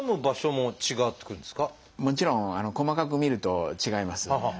もちろん細かく見ると違います。